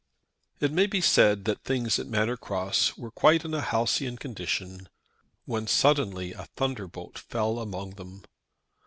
It may be said that things at Manor Cross were quite in a halcyon condition, when suddenly a thunderbolt fell among them.